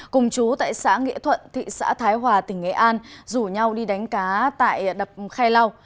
cùng chú tại xã nghĩa thuận thị xã thái hòa tỉnh nghệ an rủ nhau đi đánh cá tại đập khe lau